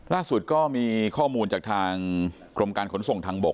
ล่าสุดก็มีข้อมูลจากทางกรมการขนส่งทางบก